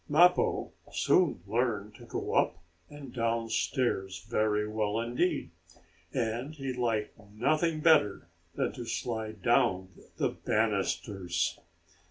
Mappo soon learned to go up and down stairs very well indeed, and he liked nothing better than to slide down the banisters.